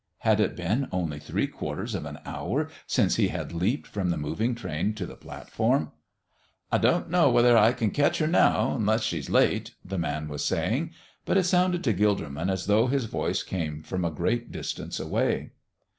Had it been only three quarters of an hour since he had leaped from the moving train to the platform? "I don't know whether I can ketch her now, unless she's late," the man was saying, but it sounded to Gilderman as though his voice came from a great distance away.